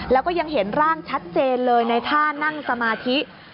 แล้วก็ยังเห็นร่างชัดเจนเลยในท่านั่งสมาธิ